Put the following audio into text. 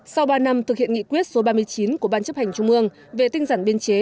sau ba năm thực hiện nghị quyết số ba mươi chín của ban chấp hành trung ương về tinh giản biên chế